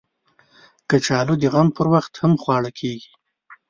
کچالو د غم پر وخت هم خواړه کېږي